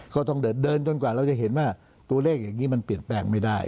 ก็ต้องเดินจนกว่าเราจะเห็นว่าตัวเลขอย่างนี้มันเปลี่ยนแปลงไม่ได้